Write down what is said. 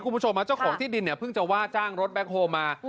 คุณผู้ชมเจ้าของที่ดินเนี่ยเพิ่งจะว่าจ้างรถแบ็คโฮลมา